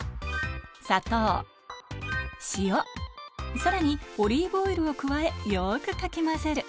さらにオリーブオイルを加えよくかき混ぜる